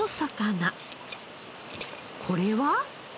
これは？